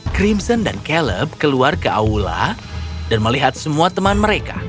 crimson dan caleb keluar ke aula dan melihat semua teman mereka